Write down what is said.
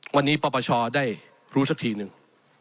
วันนี้ปปชได้รู้สักทีหนึ่ง